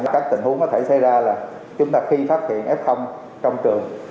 các tình huống có thể xảy ra là chúng ta khi phát hiện f trong trường